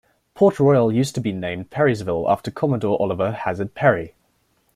Port Royal used to be named Perrysville, after Commodore Oliver Hazard Perry.